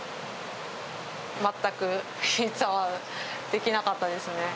全くピッツァはできなかったですね。